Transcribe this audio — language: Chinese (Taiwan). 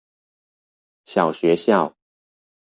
小學校